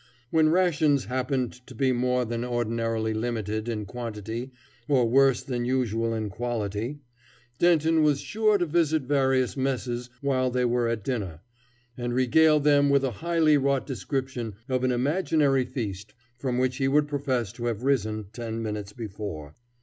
When rations happened to be more than ordinarily limited in quantity or worse than usual in quality, Denton was sure to visit various messes while they were at dinner, and regale them with a highly wrought description of an imaginary feast from which he would profess to have risen ten minutes before.